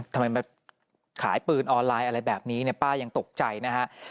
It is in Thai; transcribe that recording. ทำไมมาขายปืนออนไลน์อะไรแบบนี้เนี่ยป้ายังตกใจนะฮะ